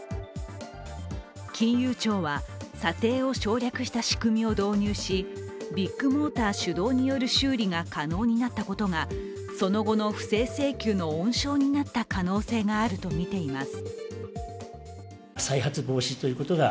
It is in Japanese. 金融庁は査定を省略した仕組みを導入し、ビッグモーター主導による修理が可能になったことがその後の不正請求の温床になった可能性があるとみています。